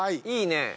いいね。